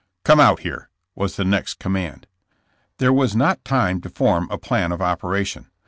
^'Come out here/' was the next command. There was not time to form a plan of operation.